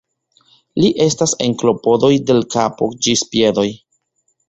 Li estas en klopodoj de l' kapo ĝis piedoj.